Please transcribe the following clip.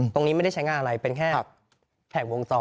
ตรงนี้ไม่ได้ใช้งานอะไรเป็นแค่แผงวงจอ